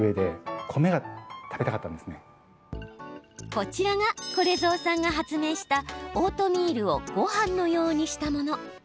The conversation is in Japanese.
こちらがこれぞうさんが発明したオートミールをごはんのようにしたもの。